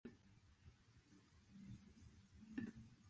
Цяпер яму прызначаны шэраг экспертыз.